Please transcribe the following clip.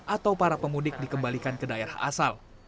atau para pemudik dikembalikan ke daerah asal